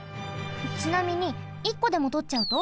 ちなみに１こでもとっちゃうと？